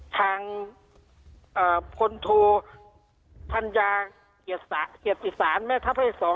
ทางคนโทษพัญญาเกียรติศาสตร์แม่ท่าพระอาทิตย์สอง